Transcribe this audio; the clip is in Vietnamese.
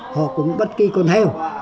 họ cũng bất kỳ con heo